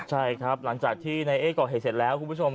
ใช่ครับหลังจากที่นายเอ๊ก่อเหตุเสร็จแล้วคุณผู้ชม